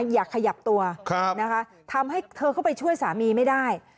อย่าขยับตัวนะคะทำให้เธอเข้าไปช่วยสามีไม่ได้